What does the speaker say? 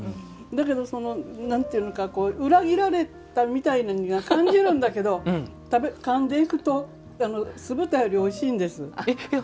だけど、その、なんていうのか裏切られたみたいには感じるんだけどかんでいくと酢豚よりおいしいんです。